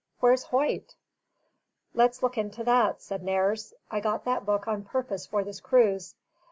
Where's Hoyt?" "Let's look into that," said Nares. "I got that book on purpose for this cruise."